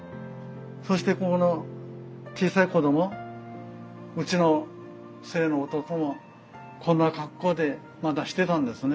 そしてここの小さい子供うちの末の弟もこんな格好でまだしてたんですね。